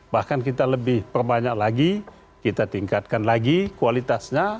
bahkan kita lebih perbanyak lagi kita tingkatkan lagi kualitasnya